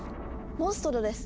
モンストロです。